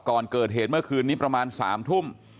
ก่อนเกิดเหตุเมื่อคืนนี้ประมาณ๓ทุ่ม